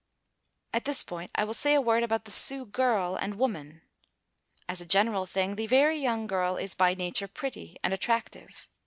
At this point I will say a word about the Sioux girl and woman. As a general thing, the very young girl is by nature pretty and attractive.